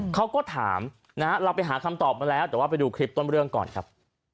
เขาก็ถามนะฮะเราไปหาคำตอบมาแล้วแต่ว่าไปดูคลิปต้นเรื่องก่อนครับ